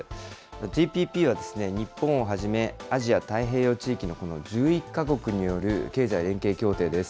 ＴＰＰは日本をはじめ、アジア太平洋地域のこの１１か国による経済連携協定です。